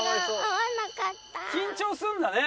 緊張するんだね。